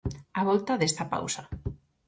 Á volta desta pausa.